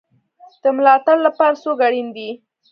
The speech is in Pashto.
د ملاتړ لپاره څوک اړین دی؟